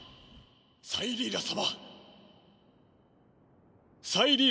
サイリーラ様！